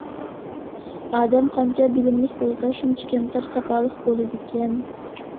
ئادەم قانچە بىلىملىك بولسا شۇنچە كەمتەر، ساپالىق بولىدىكەن.